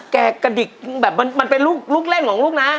กระดิกแบบมันเป็นลูกเล่นของลูกนะ